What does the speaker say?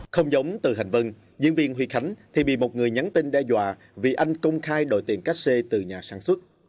không giống từ hạnh vân diễn viên huy khánh thì bị một người nhắn tin đe dọa vì anh công khai đổi tiền cắt xê từ nhà sản xuất